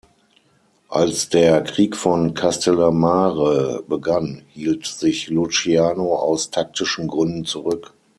Als der „Krieg von Castellammare“ begann, hielt sich Luciano aus taktischen Gründen zurück.